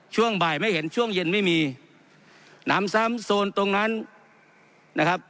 ช่วงบ่ายไม่เห็นช่วงเย็นไม่มีน้ำซ้ำโซนตรงนั้นนะครับ